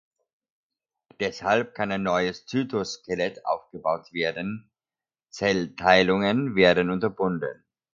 Deshalb kann kein neues Zytoskelett aufgebaut werden; Zellteilungen werden unterbunden.